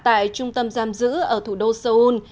tại trung tâm giam giữ ở thủ đô seoul